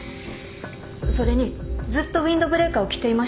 それにずっとウインドブレーカーを着ていました。